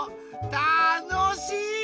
たのしい！